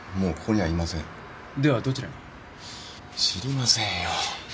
知りませんよ。